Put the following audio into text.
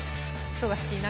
忙しい中。